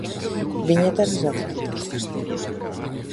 Viñetas desde o Atlántico.